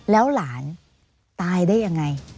แล้วหลานตายได้ยังไง